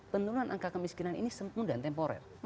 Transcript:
penurunan angka kemiskinan ini semudah dan temporal